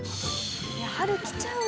「いや春来ちゃうよ」